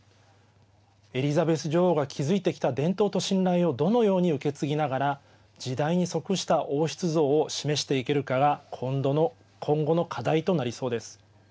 エリザベス女王が築いてきた伝統と信頼をどのように受け継ぎながら時代に即した王室像を示していけるかが今後の課題となりそうです。